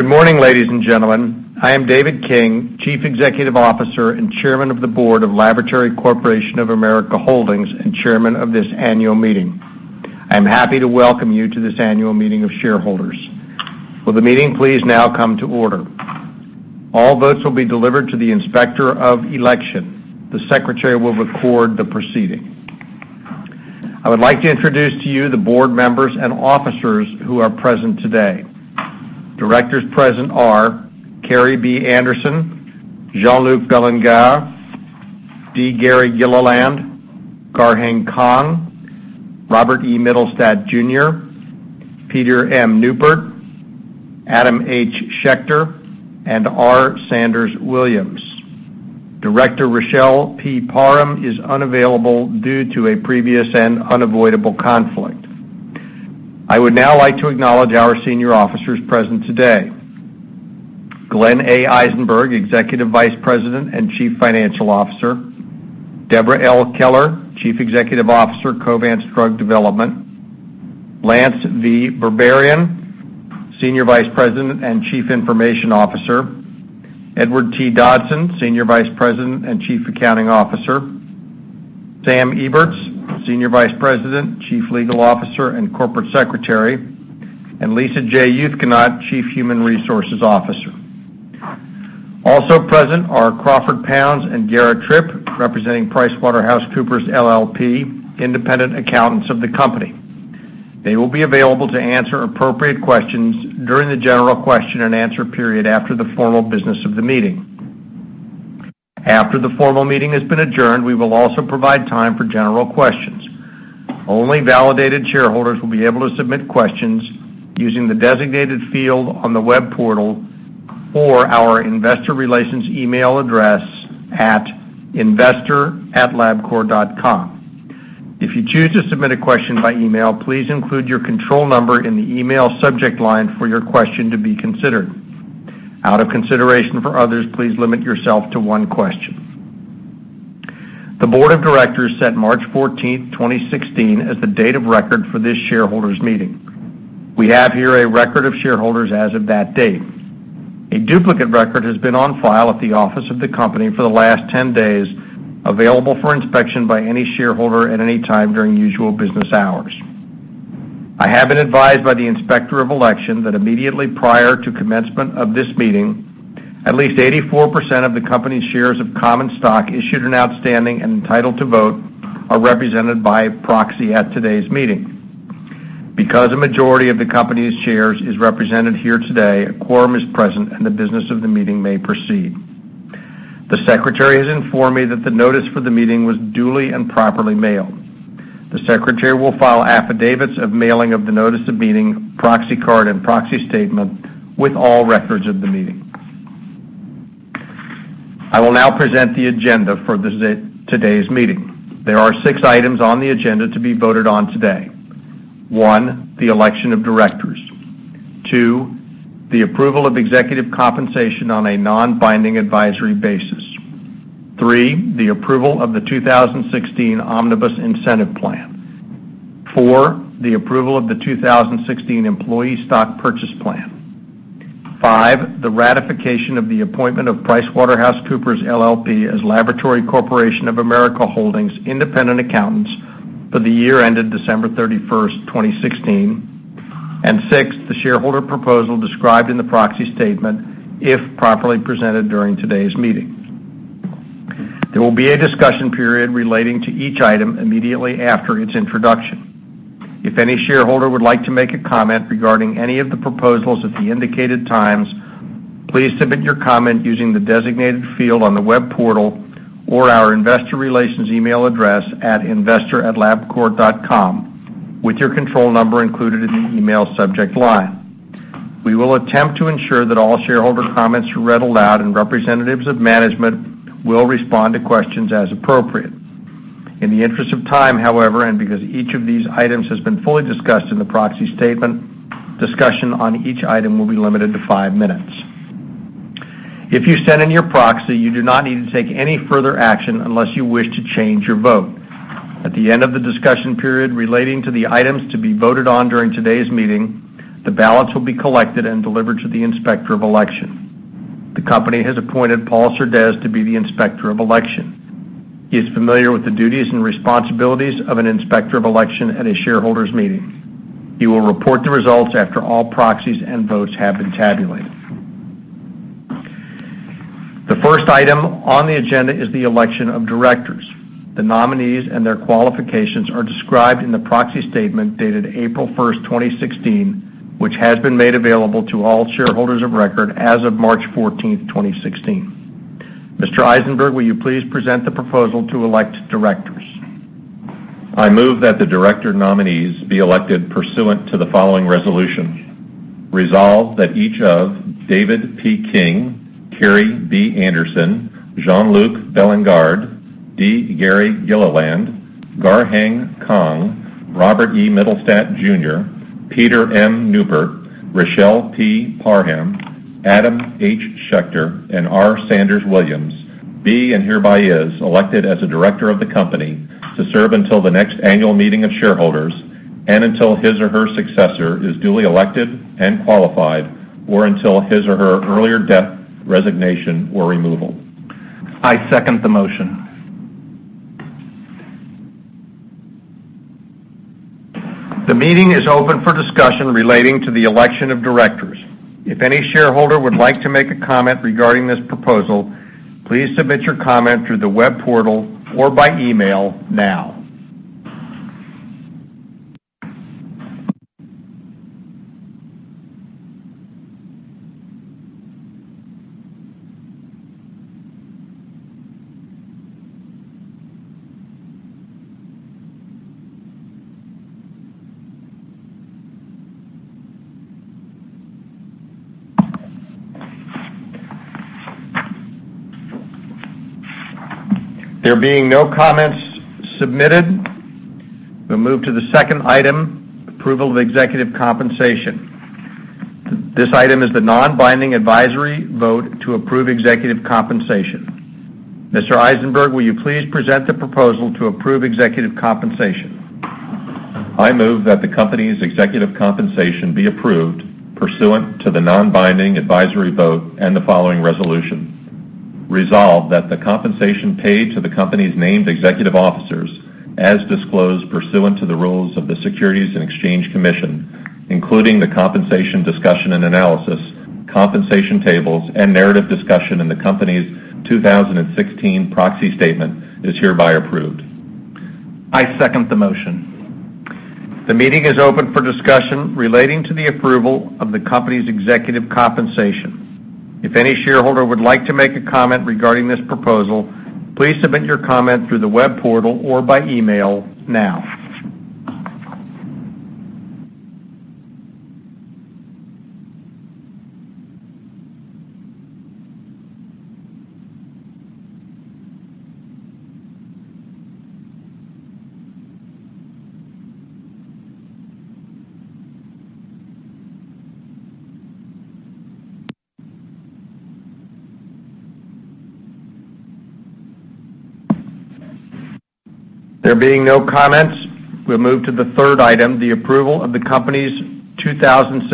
Good morning, ladies and gentlemen. I am David King, Chief Executive Officer and Chairman of the Board of Laboratory Corporation of America Holdings and Chairman of this annual meeting. I am happy to welcome you to this annual meeting of shareholders. Will the meeting please now come to order? All votes will be delivered to the Inspector of Election. The Secretary will record the proceeding. I would like to introduce to you the board members and officers who are present today. Directors present are Kerrii B. Anderson, Jean-Luc Bélingard, D. Gary Gilliland, Garheng Kong, Robert E. Mittelstaedt Jr., Peter M. Neupert, Adam H. Schechter, and R. Sanders Williams. Director Richelle P. Parham is unavailable due to a previous and unavoidable conflict. I would now like to acknowledge our senior officers present today: Glen A. Eisenberg, Executive Vice President and Chief Financial Officer; Deborah L. Keller, Chief Executive Officer, Covance Drug Development; Lance V. Berberian, Senior Vice President and Chief Information Officer; Edward T. Dodson, Senior Vice President and Chief Accounting Officer; Sam Eberts, Senior Vice President, Chief Legal Officer and Corporate Secretary; and Lisa J. Yufkanaut, Chief Human Resources Officer. Also present are Crawford Pounds and Gera Tripp, representing PricewaterhouseCoopers LLP, independent accountants of the company. They will be available to answer appropriate questions during the general question and answer period after the formal business of the meeting. After the formal meeting has been adjourned, we will also provide time for general questions. Only validated shareholders will be able to submit questions using the designated field on the web portal or our investor relations email address at investor@labcorp.com. If you choose to submit a question by email, please include your control number in the email subject line for your question to be considered. Out of consideration for others, please limit yourself to one question. The Board of Directors set March 14, 2016, as the date of record for this shareholders' meeting. We have here a record of shareholders as of that date. A duplicate record has been on file at the office of the company for the last 10 days, available for inspection by any shareholder at any time during usual business hours. I have been advised by the Inspector of Election that immediately prior to commencement of this meeting, at least 84% of the company's shares of common stock issued and outstanding and entitled to vote are represented by a proxy at today's meeting. Because a majority of the company's shares is represented here today, a quorum is present and the business of the meeting may proceed. The Secretary has informed me that the notice for the meeting was duly and properly mailed. The Secretary will file affidavits of mailing of the notice of meeting, proxy card, and proxy statement with all records of the meeting. I will now present the agenda for today's meeting. There are six items on the agenda to be voted on today: one, the election of directors; two, the approval of executive compensation on a non-binding advisory basis; three, the approval of the 2016 Omnibus Incentive Plan; four, the approval of the 2016 Employee Stock Purchase Plan; five, the ratification of the appointment of PricewaterhouseCoopers LLP as Laboratory Corporation of America Holdings independent accountants for the year ended December 31, 2016; and six, the shareholder proposal described in the proxy statement if properly presented during today's meeting. There will be a discussion period relating to each item immediately after its introduction. If any shareholder would like to make a comment regarding any of the proposals at the indicated times, please submit your comment using the designated field on the web portal or our investor relations email address at investor@labcorp.com with your control number included in the email subject line. We will attempt to ensure that all shareholder comments are read aloud and representatives of management will respond to questions as appropriate. In the interest of time, however, and because each of these items has been fully discussed in the proxy statement, discussion on each item will be limited to five minutes. If you send in your proxy, you do not need to take any further action unless you wish to change your vote. At the end of the discussion period relating to the items to be voted on during today's meeting, the ballots will be collected and delivered to the Inspector of Election. The company has appointed Paul Cerdez to be the Inspector of Election. He is familiar with the duties and responsibilities of an Inspector of Election at a shareholders' meeting. He will report the results after all proxies and votes have been tabulated. The first item on the agenda is the election of directors. The nominees and their qualifications are described in the proxy statement dated April 1st, 2016, which has been made available to all shareholders of record as of March 14, 2016. Mr. Eisenberg, will you please present the proposal to elect directors? I move that the director nominees be elected pursuant to the following resolution: resolve that each of David P. King, Kerrii B. Anderson, Jean-Luc Bélingard, D. Gary Gilliland, Garheng Kong, Robert E. Mittelstaedt Jr., Peter M. Neupert, Richelle P. Parham, Adam H. Schechter, and R. Sanders Williams, and hereby is elected as a director of the company to serve until the next annual meeting of shareholders and until his or her successor is duly elected and qualified, or until his or her earlier death, resignation, or removal. I second the motion. The meeting is open for discussion relating to the election of directors. If any shareholder would like to make a comment regarding this proposal, please submit your comment through the web portal or by email now. There being no comments submitted, we'll move to the second item, approval of executive compensation. This item is the non-binding advisory vote to approve executive compensation. Mr. Eisenberg, will you please present the proposal to approve executive compensation? I move that the company's executive compensation be approved pursuant to the non-binding advisory vote and the following resolution: resolve that the compensation paid to the company's named executive officers, as disclosed pursuant to the rules of the Securities and Exchange Commission, including the compensation discussion and analysis, compensation tables, and narrative discussion in the company's 2016 proxy statement, is hereby approved. I second the motion. The meeting is open for discussion relating to the approval of the company's executive compensation. If any shareholder would like to make a comment regarding this proposal, please submit your comment through the web portal or by email now. There being no comments, we'll move to the third item, the approval of the company's 2016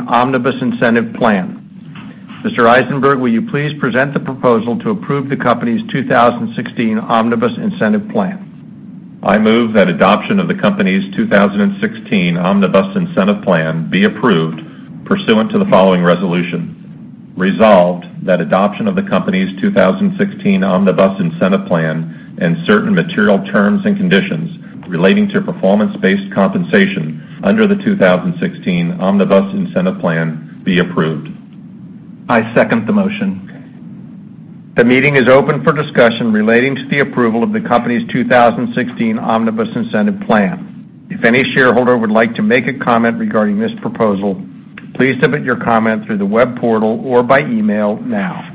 Omnibus Incentive Plan. Mr. Eisenberg, will you please present the proposal to approve the company's 2016 Omnibus Incentive Plan? I move that adoption of the company's 2016 Omnibus Incentive Plan be approved pursuant to the following resolution: resolved that adoption of the company's 2016 Omnibus Incentive Plan and certain material terms and conditions relating to performance-based compensation under the 2016 Omnibus Incentive Plan be approved. I second the motion. The meeting is open for discussion relating to the approval of the company's 2016 Omnibus Incentive Plan. If any shareholder would like to make a comment regarding this proposal, please submit your comment through the web portal or by email now.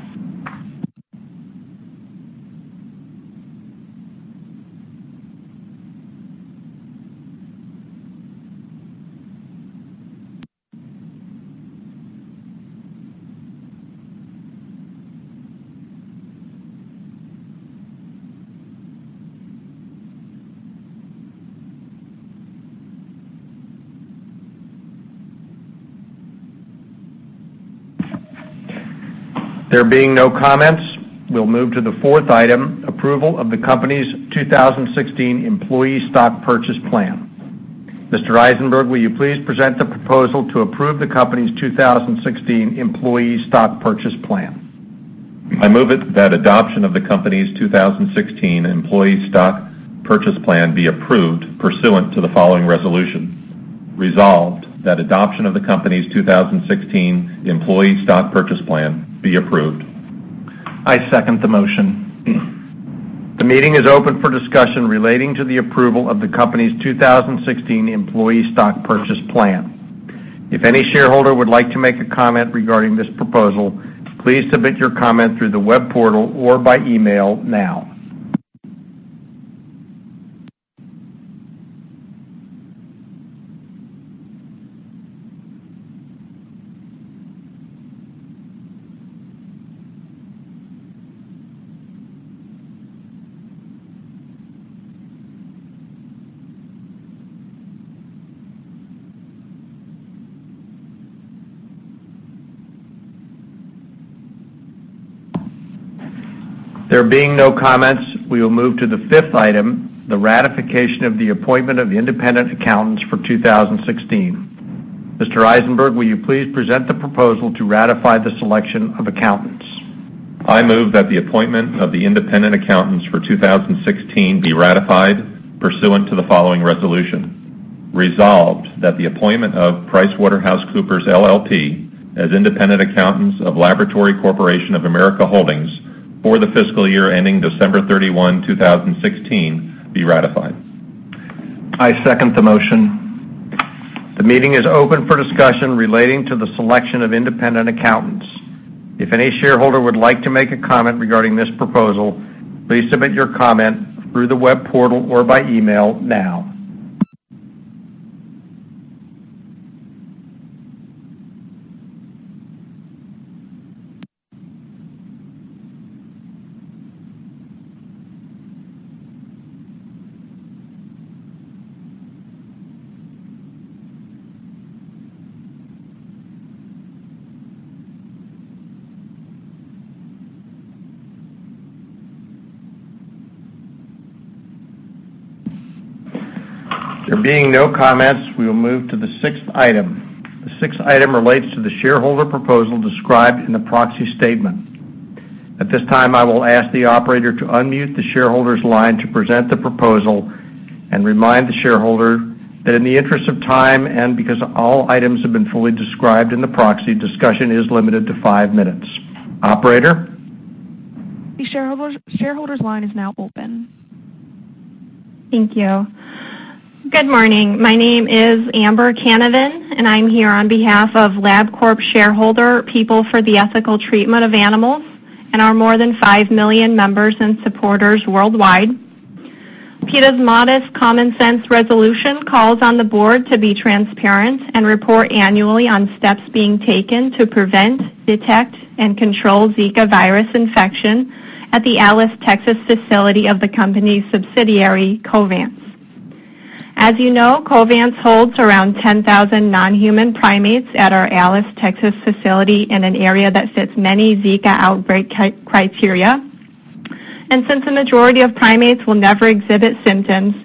There being no comments, we'll move to the fourth item, approval of the company's 2016 Employee Stock Purchase Plan. Mr. Eisenberg, will you please present the proposal to approve the company's 2016 Employee Stock Purchase Plan? I move that adoption of the company's 2016 Employee Stock Purchase Plan be approved pursuant to the following resolution: resolved that adoption of the company's 2016 Employee Stock Purchase Plan be approved. I second the motion. The meeting is open for discussion relating to the approval of the company's 2016 Employee Stock Purchase Plan. If any shareholder would like to make a comment regarding this proposal, please submit your comment through the web portal or by email now. There being no comments, we will move to the fifth item, the ratification of the appointment of independent accountants for 2016. Mr. Eisenberg, will you please present the proposal to ratify the selection of accountants? I move that the appointment of the independent accountants for 2016 be ratified pursuant to the following resolution: resolved that the appointment of PricewaterhouseCoopers LLP as independent accountants of Laboratory Corporation of America Holdings for the fiscal year ending December 31, 2016, be ratified. I second the motion. The meeting is open for discussion relating to the selection of independent accountants. If any shareholder would like to make a comment regarding this proposal, please submit your comment through the web portal or by email now. There being no comments, we will move to the sixth item. The sixth item relates to the shareholder proposal described in the proxy statement. At this time, I will ask the operator to unmute the shareholder's line to present the proposal and remind the shareholder that in the interest of time and because all items have been fully described in the proxy, discussion is limited to five minutes. Operator? The shareholder's line is now open. Thank you. Good morning. My name is Amber Canavan, and I'm here on behalf of Labcorp Shareholder People for the Ethical Treatment of Animals and our more than 5 million members and supporters worldwide. PETA's modest common sense resolution calls on the board to be transparent and report annually on steps being taken to prevent, detect, and control Zika virus infection at the Alice, Texas, facility of the company's subsidiary, Covance. As you know, Covance holds around 10,000 non-human primates at our Alice, Texas, facility in an area that fits many Zika outbreak criteria. And since the majority of primates will never exhibit symptoms,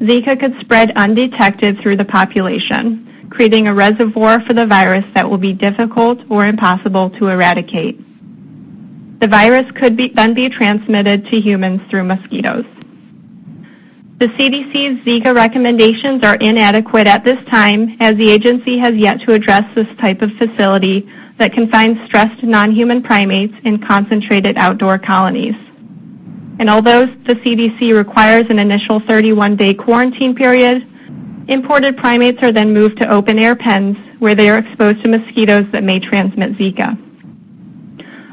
Zika could spread undetected through the population, creating a reservoir for the virus that will be difficult or impossible to eradicate. The virus could then be transmitted to humans through mosquitoes. The CDC's Zika recommendations are inadequate at this time, as the agency has yet to address this type of facility that confines stressed non-human primates in concentrated outdoor colonies. And although the CDC requires an initial 31-day quarantine period, imported primates are then moved to open-air pens where they are exposed to mosquitoes that may transmit Zika.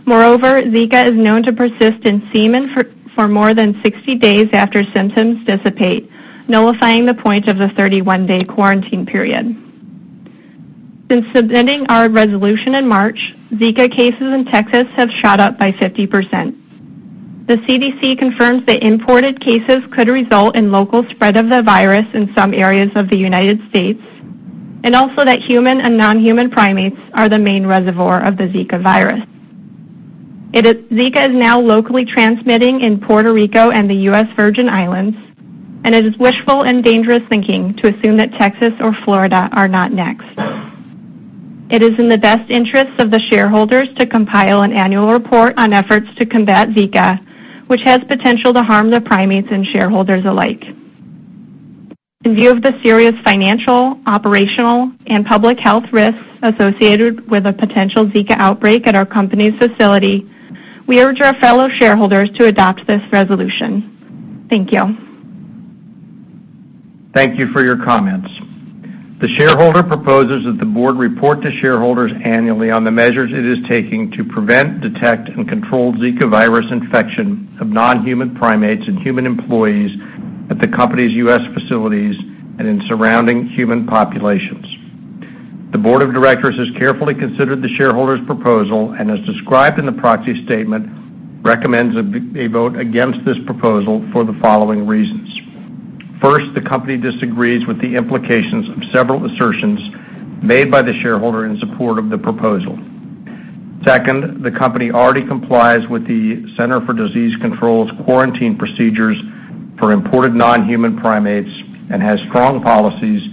Moreover, Zika is known to persist in semen for more than 60 days after symptoms dissipate, nullifying the point of the 31-day quarantine period. Since submitting our resolution in March, Zika cases in Texas have shot up by 50%. The CDC confirms that imported cases could result in local spread of the virus in some areas of the United States, and also that human and non-human primates are the main reservoir of the Zika virus. Zika is now locally transmitting in Puerto Rico and the U.S. Virgin Islands, and it is wishful and dangerous thinking to assume that Texas or Florida are not next. It is in the best interests of the shareholders to compile an annual report on efforts to combat Zika, which has potential to harm the primates and shareholders alike. In view of the serious financial, operational, and public health risks associated with a potential Zika outbreak at our company's facility, we urge our fellow shareholders to adopt this resolution. Thank you. Thank you for your comments. The shareholder proposes that the board report to shareholders annually on the measures it is taking to prevent, detect, and control Zika virus infection of non-human primates and human employees at the company's U.S. facilities and in surrounding human populations. The board of directors has carefully considered the shareholder's proposal and, as described in the proxy statement, recommends a vote against this proposal for the following reasons. First, the company disagrees with the implications of several assertions made by the shareholder in support of the proposal. Second, the company already complies with the Center for Disease Control's quarantine procedures for imported non-human primates and has strong policies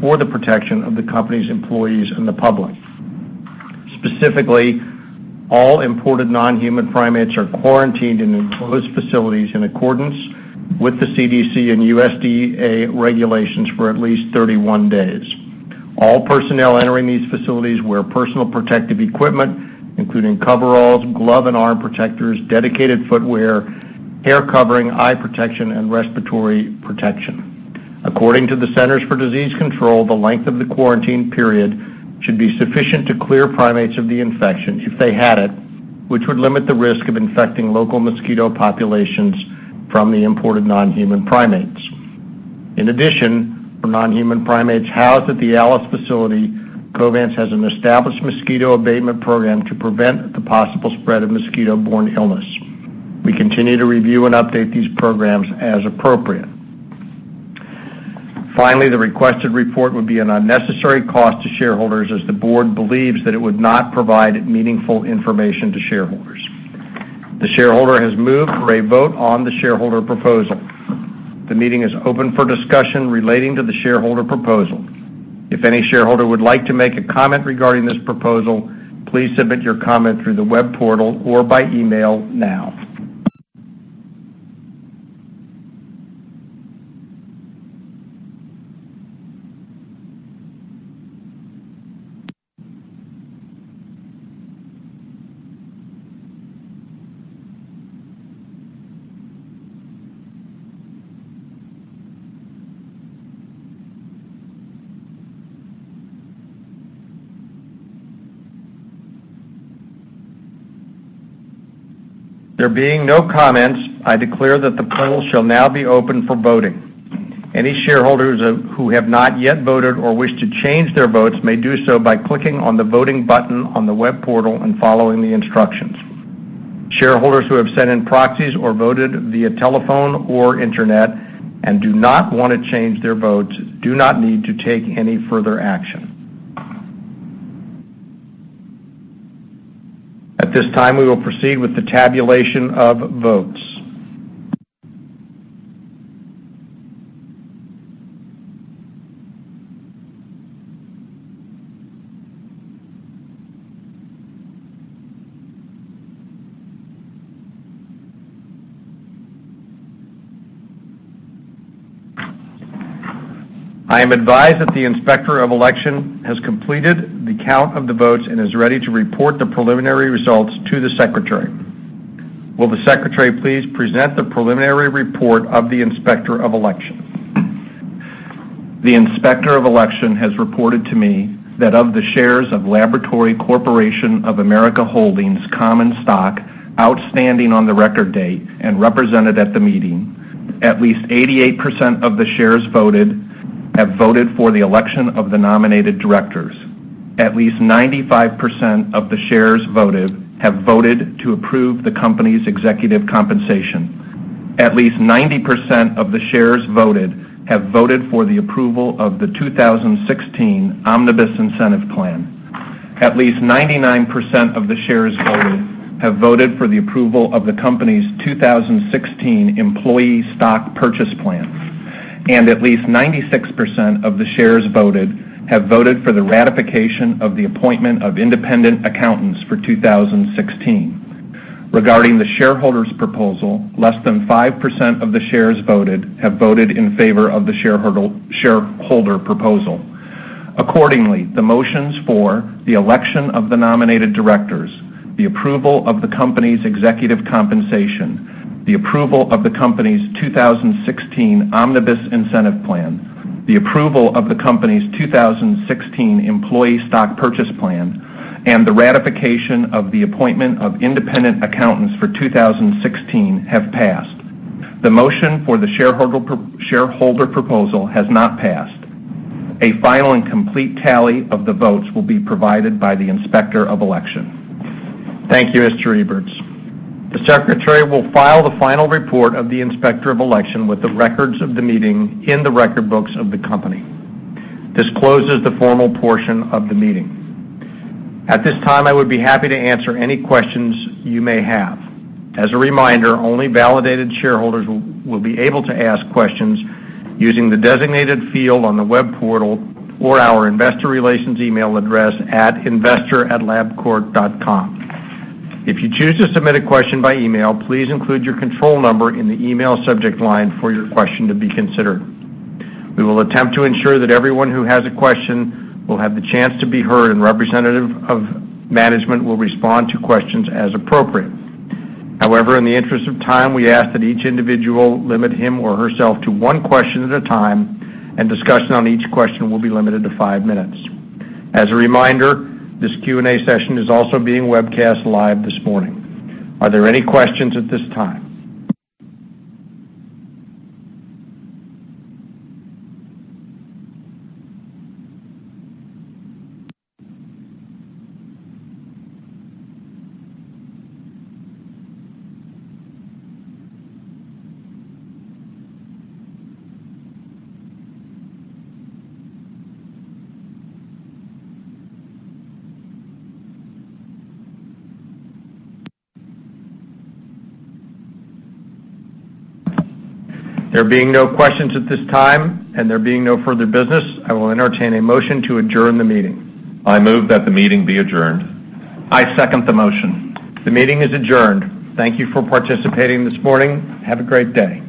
for the protection of the company's employees and the public. Specifically, all imported non-human primates are quarantined in enclosed facilities in accordance with the CDC and USDA regulations for at least 31 days. All personnel entering these facilities wear personal protective equipment, including coveralls, glove and arm protectors, dedicated footwear, hair covering, eye protection, and respiratory protection. According to the Centers for Disease Control, the length of the quarantine period should be sufficient to clear primates of the infection if they had it, which would limit the risk of infecting local mosquito populations from the imported non-human primates. In addition, for non-human primates housed at the Alice facility, Covance has an established mosquito abatement program to prevent the possible spread of mosquito-borne illness. We continue to review and update these programs as appropriate. Finally, the requested report would be an unnecessary cost to shareholders as the board believes that it would not provide meaningful information to shareholders. The shareholder has moved for a vote on the shareholder proposal. The meeting is open for discussion relating to the shareholder proposal. If any shareholder would like to make a comment regarding this proposal, please submit your comment through the web portal or by email now. There being no comments, I declare that the poll shall now be open for voting. Any shareholders who have not yet voted or wish to change their votes may do so by clicking on the voting button on the web portal and following the instructions. Shareholders who have sent in proxies or voted via telephone or internet and do not want to change their votes do not need to take any further action. At this time, we will proceed with the tabulation of votes. I am advised that the inspector of election has completed the count of the votes and is ready to report the preliminary results to the secretary. Will the secretary please present the preliminary report of the inspector of election? The inspector of election has reported to me that of the shares of Laboratory Corporation of America Holdings Common Stock outstanding on the record date and represented at the meeting, at least 88% of the shares voted have voted for the election of the nominated directors. At least 95% of the shares voted have voted to approve the company's executive compensation. At least 90% of the shares voted have voted for the approval of the 2016 Omnibus Incentive Plan. At least 99% of the shares voted have voted for the approval of the company's 2016 Employee Stock Purchase Plan. And at least 96% of the shares voted have voted for the ratification of the appointment of independent accountants for 2016. Regarding the shareholder's proposal, less than 5% of the shares voted have voted in favor of the shareholder proposal. Accordingly, the motions for the election of the nominated directors, the approval of the company's executive compensation, the approval of the company's 2016 Omnibus Incentive Plan, the approval of the company's 2016 Employee Stock Purchase Plan, and the ratification of the appointment of independent accountants for 2016 have passed. The motion for the shareholder proposal has not passed. A final and complete tally of the votes will be provided by the inspector of election. Thank you, Mr. Eberts. The secretary will file the final report of the inspector of election with the records of the meeting in the record books of the company. This closes the formal portion of the meeting. At this time, I would be happy to answer any questions you may have. As a reminder, only validated shareholders will be able to ask questions using the designated field on the web portal or our investor relations email address at investor@labcorp.com. If you choose to submit a question by email, please include your control number in the email subject line for your question to be considered. We will attempt to ensure that everyone who has a question will have the chance to be heard, and representatives of management will respond to questions as appropriate. However, in the interest of time, we ask that each individual limit him or herself to one question at a time, and discussion on each question will be limited to five minutes. As a reminder, this Q&A session is also being webcast live this morning. Are there any questions at this time? There being no questions at this time and there being no further business, I will entertain a motion to adjourn the meeting. I move that the meeting be adjourned. I second the motion. The meeting is adjourned. Thank you for participating this morning. Have a great day.